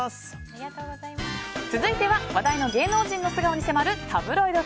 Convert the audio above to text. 続いては話題の芸能人の素顔に迫るタブロイドＱ。